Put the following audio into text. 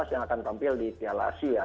yang akan tampil di piala asia